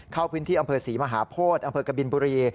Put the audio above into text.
เข้าพื้นที่อำเภอศรีมหาโพธิอำเภอกบินบุรี